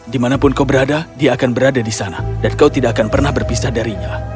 dimanapun kau berada dia akan berada di sana dan kau tidak akan pernah berpisah darinya